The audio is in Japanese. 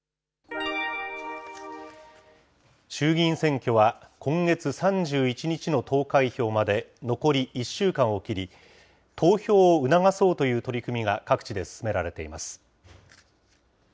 衆議院選挙は今月３１日の投開票まで残り１週間を切り、投票を促そうという取り組みが各地で進められています。